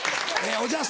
おじゃす。